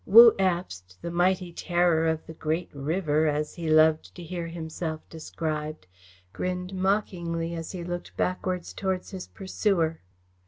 Wu Abst, the Mighty Terror of the Great River, as he loved to hear himself described, grinned mockingly as he looked backwards towards his pursuer.